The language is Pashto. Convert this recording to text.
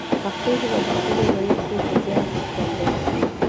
پښتو ژبه د خپلو ویونکو په زیار ژوندۍ ده